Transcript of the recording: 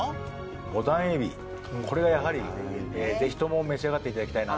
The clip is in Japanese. ぼたん海老これがやはりぜひとも召し上がっていただきたいなと。